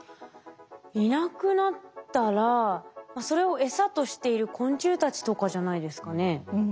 いなくなったらそれを餌としている昆虫たちとかじゃないですかね？